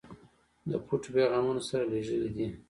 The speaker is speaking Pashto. د پټو پیغامونو سره لېږلی دي.